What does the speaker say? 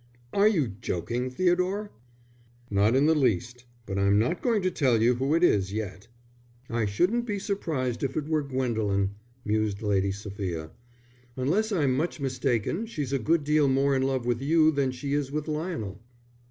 "Are you joking, Theodore?" "Not in the least. But I'm not going to tell you who it is yet." "I shouldn't be surprised if it were Gwendolen," mused Lady Sophia. "Unless I'm much mistaken she's a good deal more in love with you than she is with Lionel."